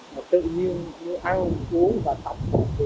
tự nhiên như ao cuốn và tóc